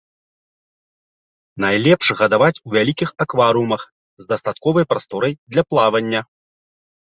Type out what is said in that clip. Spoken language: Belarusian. Найлепш гадаваць у вялікіх акварыумах з дастатковай прасторай для плавання.